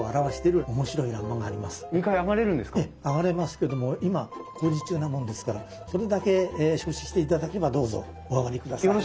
上がれますけども今工事中なもんですからそれだけ承知していただければどうぞお上がりください。